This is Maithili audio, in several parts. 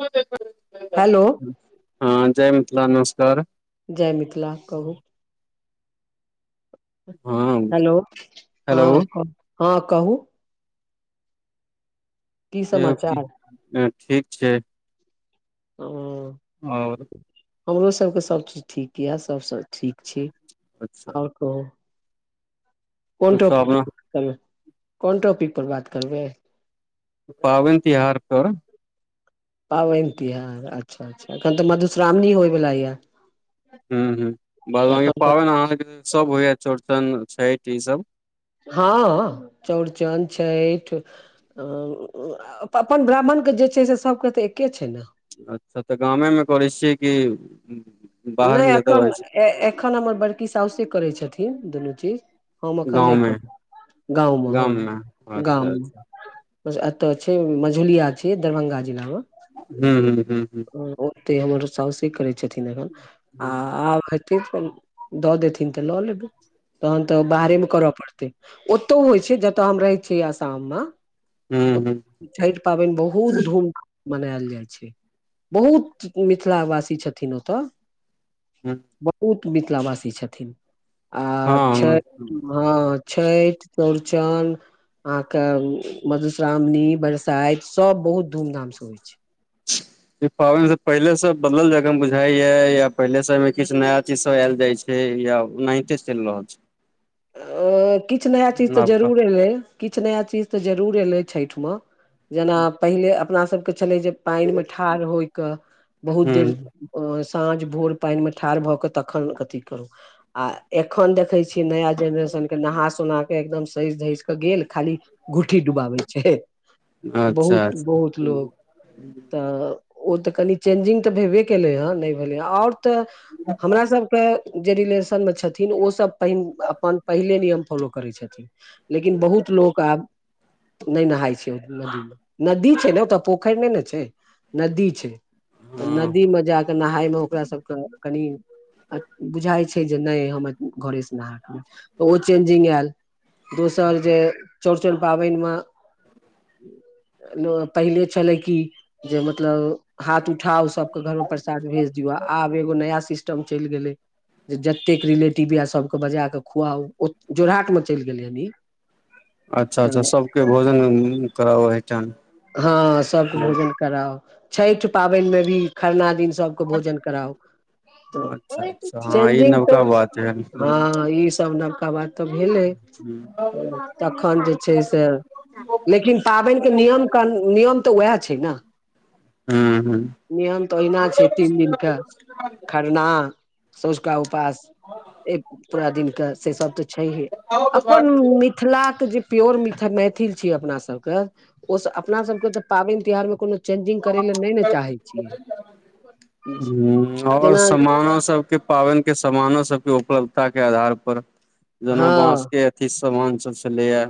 मद कर [unintelligible] [inaudible] हेलो। हँ जय मिथिला नमस्कार। जय मिथिला कहू। हँ हेलो हेलो हँ- हँ कहू। की यो कि समाचार ठीक छै। [inaudible] और। हमरो सभके सब चीज ठीक यए, सभसँ ठीक छी, अच्छा और कहू, कोन सब टाॅपिक कोन टॉपिक पर बात करबै। पाबनि तिहार पर। पाबनि तिहार अच्छा -अच्छा एखन तऽ मधुश्रावणी होयवला यए। हूँ- हूँ बाद बांकी तऽ पाबनि अहाँके सब होइए, चौड़चन छठि ई सब। हँऽ चौरचन छैठ अऽ अपन ब्राह्मणके जे छै, से सभके तऽ एके छै ने। अच्छा तऽ गामे मे करै छियै कि बाहर नै मे जतऽ रहै छी एखन- एखन हमर बड़की साऊसे करै छथिन दुनू चीज। हम एखन गाँव नै मे करबे गांव में हँ गाम मे अच्छा गाम में। अच्छा एतय छै, मझुलिया छै दरभंगा जिला में। हूं -हूं- हूं- हूं। ओते हमर साउसे करै छथिन एखन आ आब ठीक छै दऽ देथिन तऽ लऽ लेबै, तहन तऽ बाहरे मे करऽ पड़तै। ओतौ होइ छै, जतय हम रहैत छियै आसाम में। हूं- हूं। छठि पाबनि बहुत धूम मनायल जाइ छै। बहुत मिथिलावासी छथिन ओतऽ बहुत मिथिलावासी छथिन आ छै हूँ हँ [inaudible] हां छैठ, चौरचन, अहाँके उम्म मधुश्रामणी बर सैत सब बहुत धूम-धाम से होय छै। ई पाबैन से पहिले सब बदल जाए एकदम बुझाय यै या पहिले समय मे किछ नया चीज सब ऐल जाय छै या ओनाहिते चैल रहल छै। अ किछ नया चीज तै नबका जरूर ऐलै किछ नया चीज तै जरूर ऐलै छैठ में जेना पहिले अपना सबके छलै जे पैन मे ठाड़ होय के बहुत देर ह ओ साँझ-भोर पाएन मे ठाड़ भ क तखन अथी करू आ एखन देखे छीयै नया जेनरेशन के नहा सुना के एकदम सैज-धैज के गेल खाली घुट्ठी डुबाबे छै, अच्छा अच्छा बहुत-बहुत लोग तऽ ओ तऽ कनि चेंजिंग तऽ भेबे केलै हेँ नै भेलै हें और त हमरा सबके जे रिलेसन में छथिन ओ सब पैन अ अपन पहिले नियम फॉलो करै छथिन लेकिन बहुत लोक आब नै नहाय छै ओ नदी में, नद्दी छै नै ओतऽ पोखर नै नै छै, नद्दी छै। ह नदी मे जा कै नहा हाय में ओकरा सब के कनी अ बुझाय छै जे नै हम घरे से नहा [inaudible] ओ चेंजिंग ऐल दोसर जे चौरचन पाबैन मे लो पहिले छलै की जे मतलब हाथ उठाउ सबके घर मे प्रसाद भेज दियौ अ आब एगो नया सिस्टम चैल गेले जे जतेक रिलेटिव यै सबके बजाए के क खुवाअ ओ जोरहाट मे चैल‌ गेलै यानी। अच्छा-अच्छा सबके भोजन उम्म कराबा एहठन हां सबके भोजन कराव छैठ पाबैन मे भी खरना दिन सबके भोजन कराव। त अच्छा अच्छा हँ ई चेंजिंग तै नवका बात है हां हूँ ई सब नबका बात तऽ भेलै तखन जे छै से लेकिन पाबैन के नियम कन नियम तऽ उहै छै नै। हूँ हूँ नियम तै ओहिना छै, तीन दिन के खरना सोझका उपास, एक पूरा दिन के से सब तऽ छैहे अपन मि ला के जे प्योर मिथ मैथिल छी अपना सबके ओ से अपना सबके तऽ पाबैन तिहार मे कोनो चेंजिंग करै लए नै न चाहै छियै। हुं और जेना समानो सबके पाबैन के समानो सबके उपलब्धता के आधार पर जेना बाँस हँ के अथी सामान सब छले यै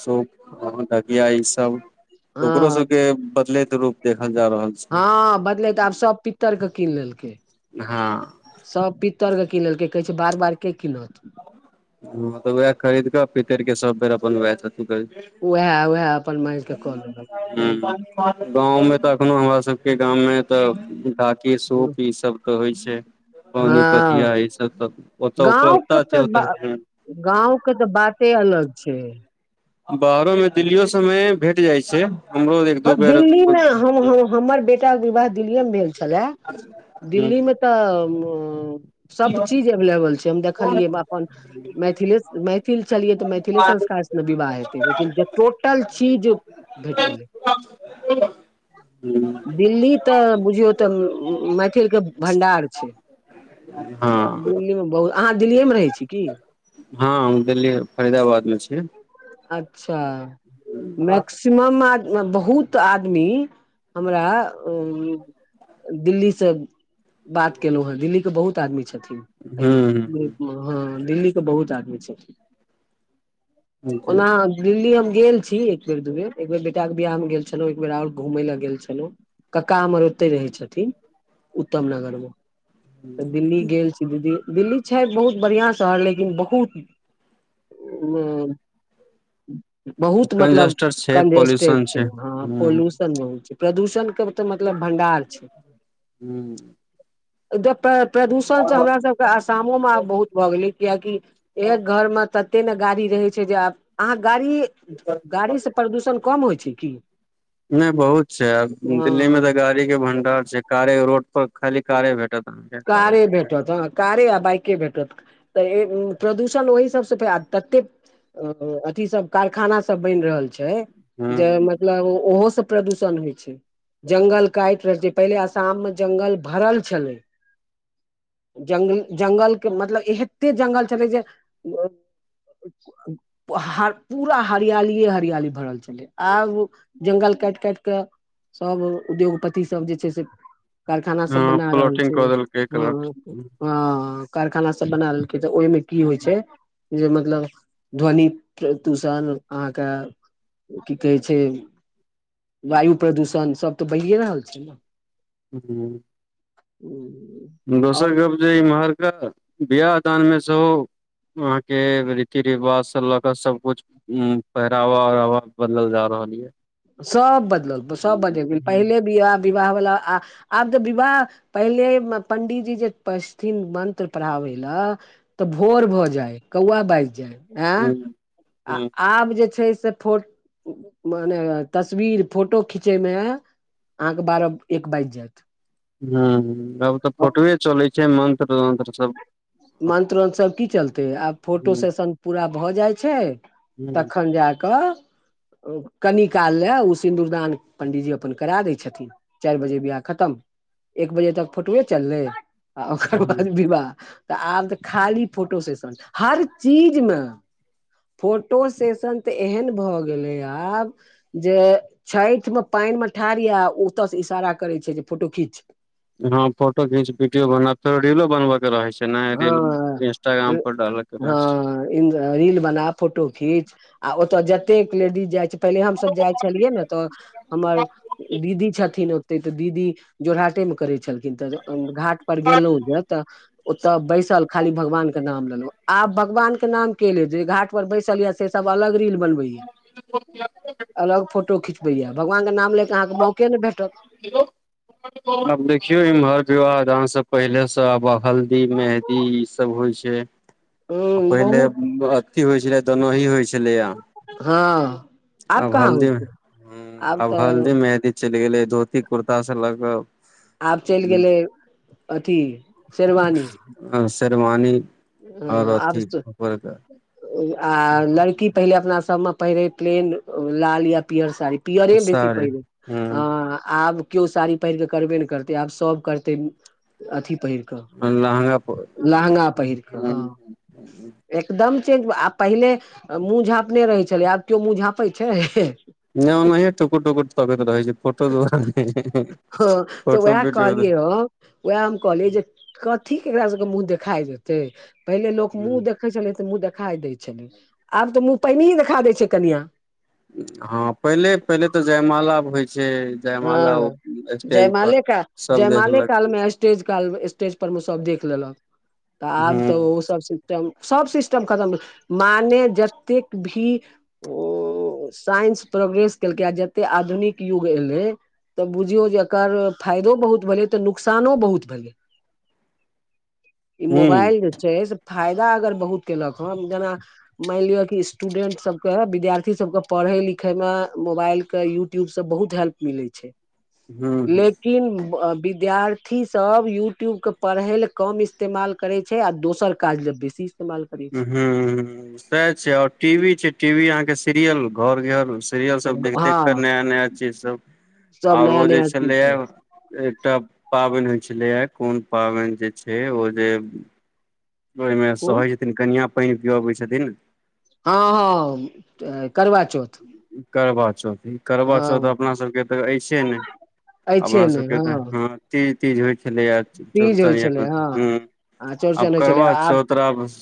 सूप अ ढकिया ई सब ओकरो हँ सबके बदलैत रूप देखल जा रहल छै। हां बदलै तै आब सब पी तर के कीन लेलकेै हां। सब पित्तर के किन लेलके कहै छै बार-बार के किनत हां तै वैह खरीद कै पित्तर के सब बेर अपन वैह [unintelligible] वैह-वैह अपन [unintelligible] हूँ हुं-हुं गाँव मे तऽ अखनो हमरा सबके गाम मे तै ढ़ाकी, हूँ सूप ई सब तै होय छै। पानि पतिया हँ ई सब तै ओतऽ उपलब्धता छै ओता हां। गाँव के तऽ बाते अलग छै। बाहरो मे दिल्लीयो सब मे भेट जाइ छै। हमरो एक दू बेर हूँ दिल्ली में हम हमर बे टा विवाह दिल्लीए मे भेल छलए दिल्ली मे हूँ तऽ सब चीज एवलेबल छै हम देखलियै अपन मैथिले मैथिल छलियै तऽ मैथिले संस्कार विवाह हेतै लेकिन जे टोटल चीज भेट गेलै। हुं। दिल्ली तऽ बुझियौ त मैथिल के भंडार छै। हँ दिल्ली मे बहुत अहाँ दिल्लीए मे रहै छी की? हँ हम दिल्ली फरीदाबाद मे छी। अच्छा मैक्स सीमम आद बहुत आदमी हमरा उम्म दिल्ली से बात केलहु हें दिल्ली के बहुत आदमी छथिन हूँ एहिमे ग्रुप मे। हँ दिल्ली के बहुत आदमी छथिन। हूँ जी ओना दिल्ली हम गेल छी एक बेर दू बेर एक बेर बेटाक के बियह मे गेल छलहुं एक बेर और घूमय लए गेल छलहुँ। कक्का हमर ओते रहै छथिन उत्तम नगर मे तऽ दिल्ली गेल छ दीदी दिल्ली छै बहुत बढ़िआं शहर लेकिन बहुत बहुत मतलब कंजस्टर छै कंजेस्टेड पॉल्यूशन छै हँ ह पोल्यूशन बहुत छै। प्रदूषण के तऽ मतलब भण्डार छै। हू। जत प्रदूषण स हमरा सबके आसामो मे बहुत भऽ गेलै कियकि एक घर मे तते ने गाड़ी रहे छै जे आब अहाँ गाड़ी गाड़ी स प्रदूषण कम होइ छै की? नई बहुत छै आब दिल्ली में हँ तऽ गाड़ी ड़ी के भंडार छै कारे रोड पर खाली कारे भेटत। कारे भेठ तऽ हँ। कारे आ बाइके भेटत तऽ प्रदूषण ओहि सबसँ आ तते अ अथी सब कारखाना सब बैन रहल छै ह जे मतलब ओहो सब प्रदूषण होइ छै जंगल काइट रहल छै पहिले आसाम मे जंगल भरल छलै। जल जंगल के मतलब एहते जंगल छलै जे हा पूरा हरियालीए हरियाली भरल छले। आब जंगल काटि काटि कऽ सब उद्योगपति सब जे छै से कारखाना सब बना रहल छै हँ। हू हँ कारखाना सब बना लेलकै तऽ ओहिमे की होइ छै जे मतलब ध्वनि प्रदूषण अहाँके ओ की कहै छै। वायु प्रदूषण सब तऽ बढ़ए रहल छै ने। हु। हू। दोसर गप जे इम्हरका बियाह दानमे सेहो वहाँ के रीति रिवाज से लऽ क सबकुछ हु पहरावा उरावा बदल जा रहल ये। सब बदलल सब बदलि गेल पहिले वियाह विवाह बला आ आब तै विवाह पहिले पंडीजी जे बैसथिन मन्त्र पढ़ाबै लै तऽ भोर भऽ जाय, कउवा बाएज जाय ऐं ह आ ह आब जे छै से फोर मने तस्वीर फोटो खीचय मे अहाँके बारा एक बैज जाएत। हुं-हुं आब तऽ फोटवै चलै छै मन्त्र-वन्त्र सब मंत्र-वंत्र सब की चलतै आब फोटो सेशन पूरा भऽ जाए छै ह तखन जा कऽ अ कनि काल लै उ सिन्दूर दान पण्डीजी अपन कराए दै छथिन चाएर बजे बियाह खत्म, एक बजे तक फोटुवें चललै आ ओकर ह बाद विवाह तऽ आब तऽ खाली फोटो सेशन हर चीज मे। फोटो सेशन तऽ एहैन भऽ गेलै आब जे छैठमे पाइन मे ठाड़ यै उ ओतऽ से इशारा करै छै जे फोटो खीच हां फोटो घीच, वीडियो बना त रीलो बनबै के रहै छै। [unintelligible] रील इंस्टाग्राम पर डाला के रहय छै। ई रील बना, फोटो खीच आ ओता जतेक लेडीज जाय छै पहिले हम सब जाए छलियै नै तऽ हमर दीदी छथिन ओ ते तऽ दीदी जोराहटे मे करै छलखिन्ह तऽ अ घाट पर गेलौ जे तऽ ओतऽ बैसल खाली भगवान के नाम लेलौ आब भगवान के नाम के ले जे घाट पर बैसल यै से सब अलग रील बनबै यै। अलग फोटो खिचबै यै भगवान के नाम लय कैऽ अहाँके मौके नै भेटत। एगो आब देखियौ इम्हर विवाह दान से पहिले से आब हल्दी, मेहंदी ई सब होय छै। ह अ पहिले बहुत अथी होय छलै दनही होय छलै यै। हां आब कहाँ होय छै। हुं आब हल्दी, मेहंदी चैल गेलै, धोती कुर्ता स लऽ कऽ आब चलि उम्म गेलै अथी शेरवानी ऐह शेरवानी अ आओर आब अथी से ऊपर के आ लड़की पहिले अपना सबमे पहिरै प्लेन लाल या पीयर साड़ी पीयरै में बेसी साड़ी पहिरै हूँ अ आब कियो साड़ी पहिर के करबे नै करतै आब सब करते अथी पहिरके क लहंगा पर लंहगा पहिर कऽ हूँ हां। एकदम चेंज आ पहिले अ मुँह झाँपने रहै छलै, आब कियौ मुँह झाँपै छै। नै ओनहें टुकुर-टुकुर तकैत रहै छै फोटो दुआरे हां तऽ फोटो ऊहा वीडियो कहलियै हां वैह हम कहलियै जे कथी के एकरा सबके मुँह देखाय देतै पहिले लोक मुँह देख देखै छलै तऽ मुँह देखाय दै छलै, आब तऽ मुँह पहनिहिये देखा दै छै कनिया। हां पहिले पहिले तऽ जयमाला आब होय छै जयमाला ओ हँ जयमाले का जयमाले कालमे स्टेज काल स्टेज पर मे सब देख लेलक तऽ आब हूँ तै ओ सब सि टम सब सिस्टम खत्म भेले माने जतेक भी ओ साइंस प्रोग्रेस केलकै यै आ जते आधुनिक युग एल [unintelligible] बुझियौ जे एकर फायदो बहुत भेलै तऽ नुकसानो बहुत भेलै ई हूँ मोबाइल जे छैय से फायदा अगर बहुत केलक हँ जेना मानि लिय कि स्टूडेंट सब के विद्यार्थी सब के पढ़य लिखय मे मोबाइल के यू ट्युब स बहुत हेल्प मिलै छैय हूँ लेकिन व विद्यार थी सब यूट्यूब के पढ़य लय कम इस्तेमाल करै छैय आ दोसर काज ले बेसी इ्स्तेमाल करी छी। हँ सैह छैय और टी वी छैय टी वी अहाँके सीरियल घर घर सीरियल सब देख देख क हँ नया नया चीज सब सब नया आरो जे नया चीज छलैये। सब एकटा पाबनि होय छलेये कोन पाबनि जे छैय ओ जे ओहिमे कोन सहै छथिन्ह कनिया पानि पियबैत छथिन्ह। हँ-हँ करवा चौथ कड़बा चौथ कड़बा चौथ हँ अपना सबके तऽ अछिये ने अपना अछिे ने सबके तऽ हँ तीज तीज होय छलै या तीज चौरचन होइ या छलै कोन हँ। आ आब चौड़चन होइ छलै कड़बा आब चौतरफस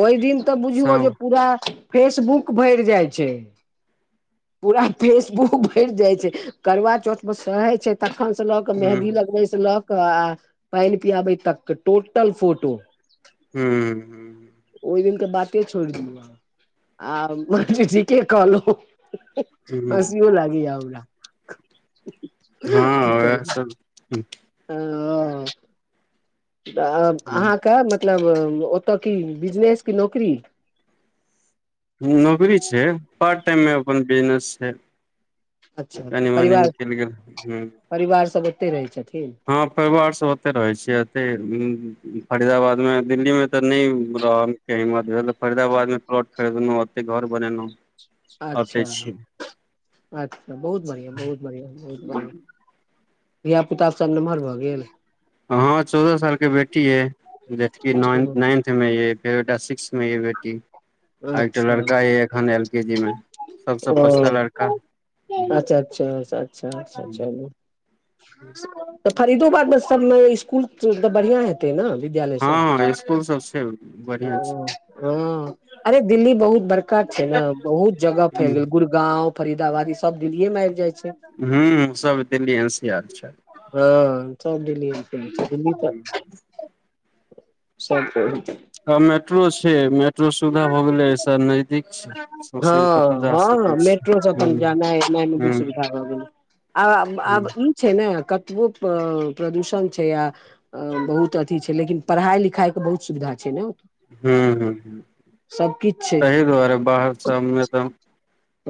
ओहि दिन तऽ बुझियौ जे पूरा फेसबुक भरि जाय छैय। पूरा फेसबुक भरि जाय छैय करवा चौथ मे सहै के तखन से लऽ कऽ हूँ मेहदी लगबय से लऽ कऽ आ पानि पियाबै तक के टोटल फोटो हूँ ओहि दिन के बाते छोड़ि दियौ आहाँ आ बांकी ह ठीके कहलहुँ हँ-हँ-हँ हूँ हसियो लागैये हमरा ह‌ हँ कि करी वएह सब [unintelligible] तऽ अहाँके मतलब ओतऽ की बिजनेस कि नौकरी नौकरी छैय पार्ट टाइम मे अपन बिजनेस छैय। अच्छा अच्छा कनि मनि परिवार निकलि गेल हूँ। परिवार सब ओतै रहै छथिन्ह। हँ परिवार सब ओतै रहै छियै एते फरीदाबाद में दिल्ली में तऽ नै रहल। के हिम्मत भेल तऽ फरीदाबाद मे प्लॉट खरीदलौं ओतै घर बनेलौं अच्छा [unintelligible] अच्छा बहुत बढ़िआं, बहुत बढ़िआं, बहुत बढ़िआं धिया-पुता सब नमहर भऽ गेल। हं चौदह साल के बेटी अय जसी नाइ नाइन्थ में यै फेरो एकटा सिक्स में यै बेटी। आ एकटा अच्छा लड़का यै एखन एल के जी में सबस ओ पछता लड़का अच्छा अच्छा अच्छाच्छाच्छा [unintelligible] तऽ फरीदोबाद में सब ने स्कुल तऽ बढ़िया हेत। तै न विद्यालय सब हँ स्कुल सब छै [unintelligible] बढ़िया छै हँ-हँ अरे दिल्ली बहुत बड़का छै न बहुत जगह फैल हूँ गेल गुड़ गांव फरीदाबाद ई सब दिल्लीये में आइब जाय छै। हं सब दिल्ली एन सी आर छै। हँ सब दिल्ली चलै छै दिल्ली तऽ [unintelligible] सब कहैत हँ मैट्रो छै मैट्रो सुविधा भऽ गेलै ऐसऽ नजदीक छै सौंसे हँ कतहु जा हँ सकै छी मैट्रो छै तऽ हूँ जानाय-एनाय में भी हूँ सुविधा भऽ गेलै। आब हूँ आब ई छै ने कतबो प्र प्रदूषण छै आ अ बहुत अथी छै लेकिन पढ़ाई-लिखाई के बहुत सुविधा छै ने। हं-हं सबकिछ छै तहि दुआरे बाहर सब में तऽ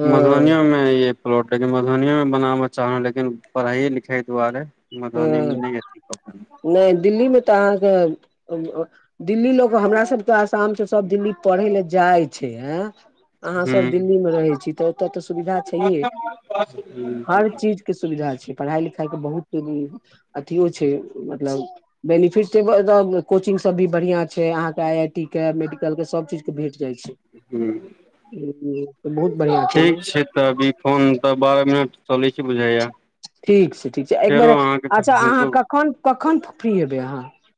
हँ मधुबनियो में यै प्लॉट लेकिन मधुबनीए में बनावऽ चाहलौं लेकिन पढ़ाइये-लिखाई दुआरे। मधुबनी में नै अथी कऽ पेलौं। नै दिल्ली में तऽ अहाँके अब-अब। दिल्ली लोक हमरा सभकेऽ आसामसँ सभ दिल्ली पढ़य लए जाइ छै ऐं। अहाँ सब दिल्ली में रहै छी तऽ ओतऽ तऽ सुविधा छैहे पेलहुँ हर चीज। के सुविधा छै पढ़ाई-लिखाई के बहुत अथियो छै मतलब बेनिफिट छै ब तऽ कोचिंग सब भी बढ़िआं छै अहाँके आई आई टी के मेडिकल के सभ चीज के भेट जाइ छै। हूँ। एबै। तऽ बहुत बढ़िआँ। ठीक छै तऽ अभी फोन तऽ बारह मिनट चलै छै बुझैया। ठीक छै ठीक छै एकबेर अच्छा अहाँ दू कखन कखन फ्री हेबै अहाँ।